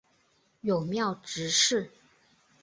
友庙执事。